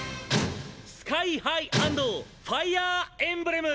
スカイハイ＆ファイヤーエンブレム！